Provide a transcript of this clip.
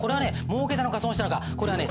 もうけたのか損したのかこれはね